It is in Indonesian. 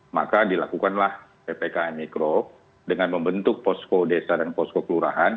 maka dilakukanlah ppkm mikro dengan membentuk posko desa dan posko kelurahan